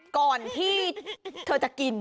ก่อนที่เธอจะกิน